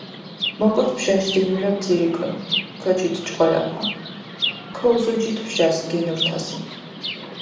მოკოდ ბჟაშ დინულა ბძირიკონ, გოჩით ჭყოლაფა, ქოუზოჯით ბჟას, გენორთასინ.